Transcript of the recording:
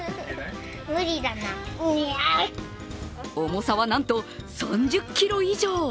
重さはなんと３０ｋｇ以上。